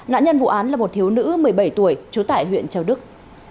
nạn nhân vụ án là một thiếu nữ một mươi bảy tuổi trú tại huyện châu đức